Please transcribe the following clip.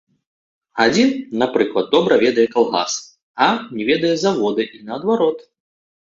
Адзін, напрыклад, добра ведае калгас, а не ведае завода, і наадварот.